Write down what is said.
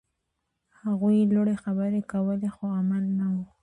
هغوی لوړې خبرې کولې، خو عمل نه و.